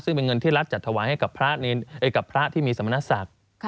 ซึ่งเป็นเงินที่รัฐจัดถวายให้กับพระที่มีสมณศักดิ์